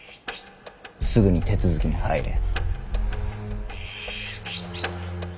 すぐに手続きに入れ。